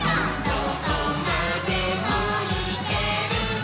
「どこまでもいけるぞ！」